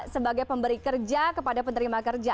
sebagai pemberi kerja kepada penerima kerja